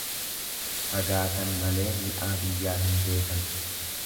Fagaatan malee mi'aa biyyaa hin beekan.